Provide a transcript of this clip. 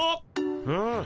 うん。